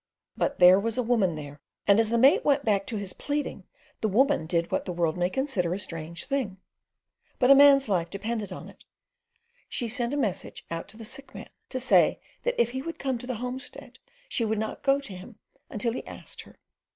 But there was a woman there; and as the mate went back to his pleading the woman did what the world may consider a strange thing—but a man's life depended on it—she sent a message out to the sick man, to say that if he would come to the homestead she would not go to him until he asked her.